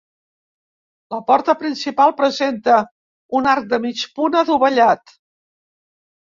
La porta principal presenta un arc de mig punt adovellat.